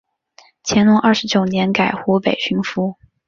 乾隆二十九年改湖北巡抚。